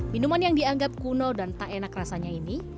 minuman yang dianggap kuno dan tak enak rasanya ini